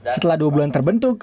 setelah dua bulan terbentuk